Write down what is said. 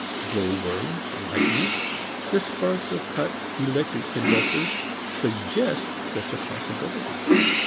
Glow worms, lightning, the sparks of cut electric conductors suggest such a possibility.